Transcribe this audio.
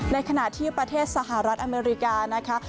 ในขณะที่ประเทศสหรัฐอเมริกานะคะ